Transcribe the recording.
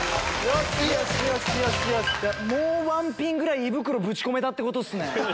もうワン品ぐらい胃袋ぶち込めたってことっすね。